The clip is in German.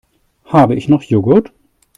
Habe ich noch Joghurt?